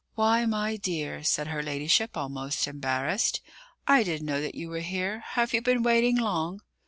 "Why, my dear!" said her ladyship, almost embarrassed, "I didn't know that you were here: have you been waiting long?"